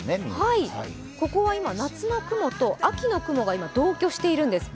ここは今、夏の雲と秋の雲が同居しているんです。